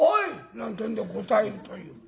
なんてんで答えるという。